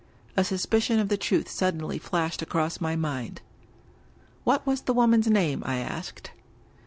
A suspicion of the truth suddenly flashed across my mind. '* What was the woman's name?" I asked.